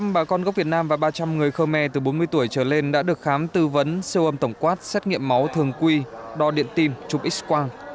ba trăm linh bà con gốc việt nam và ba trăm linh người khmer từ bốn mươi tuổi trở lên đã được khám tư vấn siêu âm tổng quát xét nghiệm máu thường quy đo điện tin chụp x quang